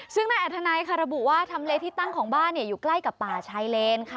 ซึ่งนายอัธนัยค่ะระบุว่าทำเลที่ตั้งของบ้านอยู่ใกล้กับป่าชายเลนค่ะ